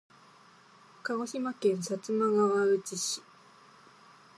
鹿児島県薩摩川内市